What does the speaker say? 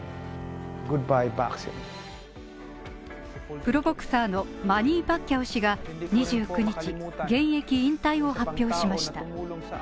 プロボクサーのマニー・パッキャオ氏が２９日、現役引退を発表しました。